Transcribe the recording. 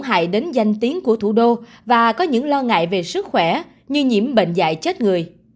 hại đến danh tiếng của thủ đô và có những lo ngại về sức khỏe như nhiễm bệnh dạy chết người